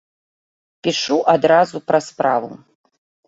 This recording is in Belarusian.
Пішу адразу пра справу.